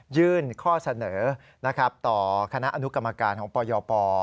ยื่นข้อเสนอต่อคณะอนุกรรมการของปยป